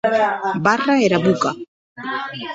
Barra era boca.